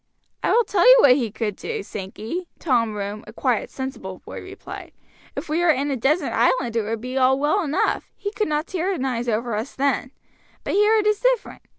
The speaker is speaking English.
"I will tell you what he could do, Sankey," Tom Room, a quiet, sensible boy, replied. "If we were in a desert island it would be all well enough, he could not tyrannize over us then: but here it is different.